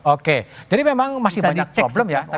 oke jadi memang masih banyak problem ya